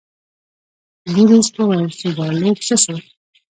بوریس وویل چې ګارلوک څه شو.